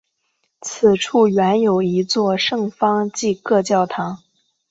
此处原有一座圣方济各教堂。